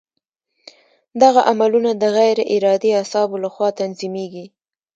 دغه عملونه د غیر ارادي اعصابو له خوا تنظیمېږي.